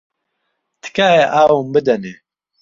تکایە ئاوم بدەنێ.